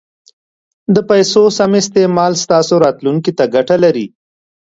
د پیسو سم استعمال ستاسو راتلونکي ته ګټه لري.